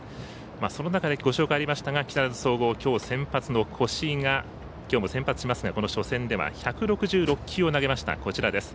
その中でご紹介がありました木更津総合きょう、先発の越井がきょうも先発しますが初戦では１６６球を投げました。